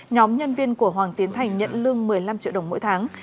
nhóm nhân viên của hoàng tiến thành nhận lương một mươi năm triệu đồng mỗi tháng